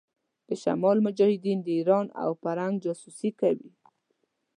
د شمال مجاهدين د ايران او فرنګ جاسوسي کوي.